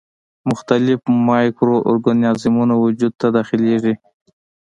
مختلف مایکرو ارګانیزمونه وجود ته داخليږي.